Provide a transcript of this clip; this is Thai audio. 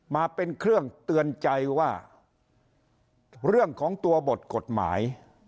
มาเป็นเครื่องเตือนใจว่าเรื่องของตัวบทกฎหมาย